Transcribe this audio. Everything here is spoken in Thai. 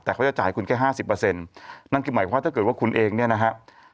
แต่เขาจะจ่ายคุณแค่๕๐นั่นคือหมายความว่าถ้าเกิดว่าคุณเองเนี่ยนะฮะ